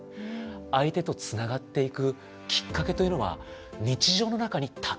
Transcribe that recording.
相手とつながっていくきっかけというのは日常の中にたくさんある。